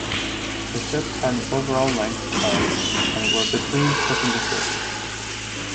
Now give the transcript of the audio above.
The ships had an overall length of and were between perpendiculars.